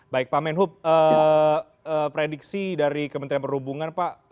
baik pak menhub prediksi dari kementerian perhubungan pak